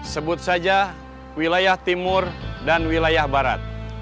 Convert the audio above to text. sebut saja wilayah timur dan wilayah barat